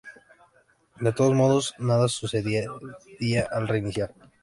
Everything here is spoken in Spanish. De todos modos, nada sucedía al reiniciar.